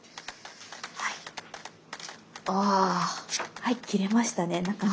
はい切れましたね中身。